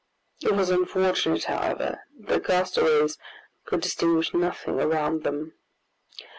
It was unfortunate, however, that the castaways could distinguish nothing around them.